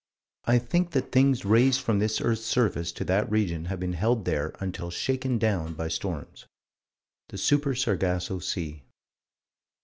I think that things raised from this earth's surface to that region have been held there until shaken down by storms The Super Sargasso Sea.